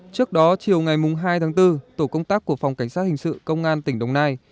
trước đó chiều ngày hai tháng bốn tổ công tác của phòng cảnh sát hình sự công an tỉnh đồng nai